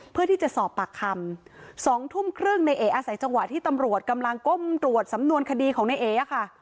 เพื่อที่จะสอบปากคำ๒ทุ่มครึ่งในเออาศัยจังหวะที่ตำรวจกำลังก้มตรวจสำนวนคดีของนายเอ๋ค่ะ